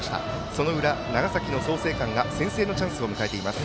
その裏、長崎の創成館が先制のチャンスを迎えています。